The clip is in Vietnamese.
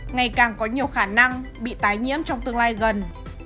ngày càng có nhiều khả năng bị tái nhiễm trong tương lai gần